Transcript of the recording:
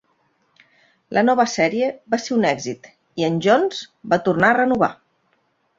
La nova sèrie va ser un èxit, i en Jones va tornar a renovar.